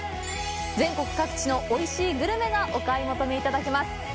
全国各地のおいしいグルメがお買い求めいただけます。